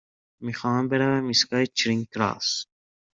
می خواهم بروم ایستگاه چرینگ کراس.